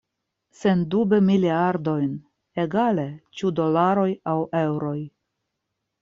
Sendube miliardojn – egale, ĉu dolaroj aŭ eŭroj.